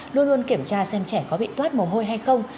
luôn luôn kiểm tra xem trẻ có bị toát mồ hôi hay không